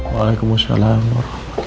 waalaikumsalam warahmatullahi wabarakatuh